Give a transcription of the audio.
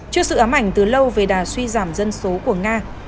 trước sự ám ảnh từ lâu về đà suy giảm dân số của nga